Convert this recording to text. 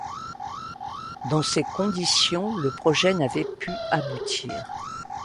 Dans ces conditions, le projet n'avait pu aboutir.